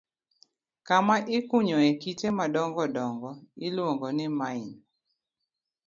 Kama ikunyoe kite madongo dongo iluongo ni mine.